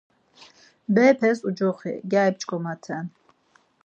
Berepes ucoxi, gyari p̌ç̌ǩomaten.